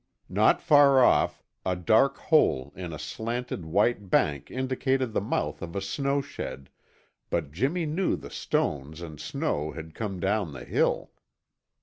Not far off, a dark hole in a slanted white bank indicated the mouth of a snow shed, but Jimmy knew the stones and snow had come down the hill.